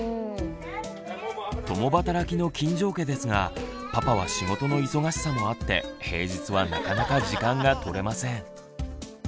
共働きの金城家ですがパパは仕事の忙しさもあって平日はなかなか時間が取れません。